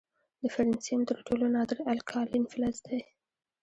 د فرنسیم تر ټولو نادر الکالین فلز دی.